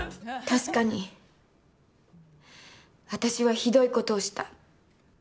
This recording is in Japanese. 確かに、私はひどいことをした。